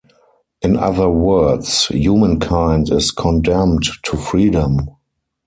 In other words, humankind is "condemned" to freedom.